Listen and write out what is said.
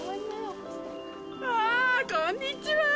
あこんにちは。